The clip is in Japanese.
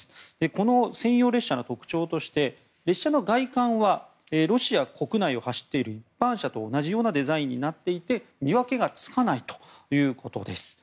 この専用列車の特徴として列車の外観はロシア国内を走っている一般車と同じようなデザインになっていて見分けがつかないということです。